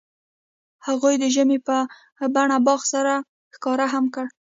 هغوی د ژمنې په بڼه باغ سره ښکاره هم کړه.